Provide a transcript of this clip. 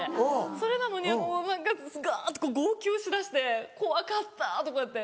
それなのにガって号泣しだして「怖かった」とかって。